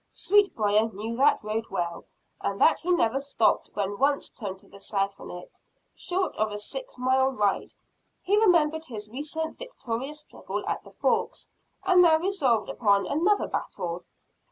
Sweetbriar knew that road well and that he never stopped when once turned to the south on it, short of a six mile ride. He remembered his recent victorious struggle at the Forks, and now resolved upon another battle.